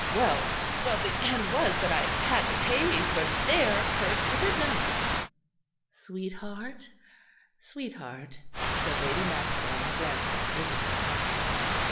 Well, well, the end was that I had to pay for their cursed religion." "Sweetheart, sweetheart," said Lady Maxwell, glancing at Isabel.